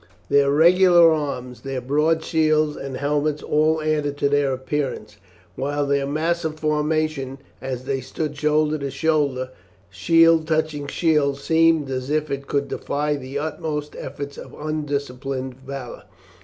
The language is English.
Their regular arms, their broad shields and helmets, all added to their appearance, while their massive formation, as they stood shoulder to shoulder, shield touching shield, seemed as if it could defy the utmost efforts of undisciplined valour.